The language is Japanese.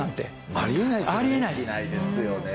ありえないですよね。